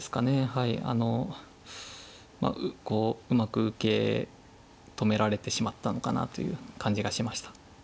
はいあのこううまく受け止められてしまったのかなという感じがしました。